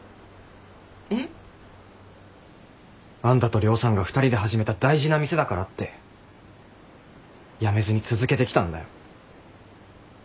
えっ？あんたと亮さんが２人で始めた大事な店だからって辞めずに続けてきたんだよ。